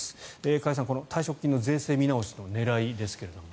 加谷さん、退職金の税制見直しの狙いですけども。